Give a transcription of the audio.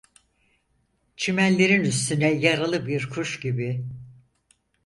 Çimenlerin üstüne yaralı bir kuş gibi...